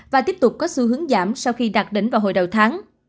và tiếp tục có xu hướng giảm sau khi đạt đỉnh vào hồi đầu tháng